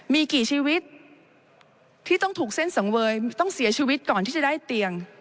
มีกี่ชีวิตที่ต้องถูกเส้นสังเวยต้องเสียชีวิตก่อนที่จะได้เตียง